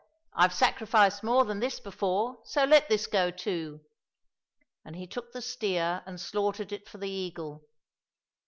I've sacrificed more than this before, so let this go too !" and he took the steer and slaughtered it for the eagle.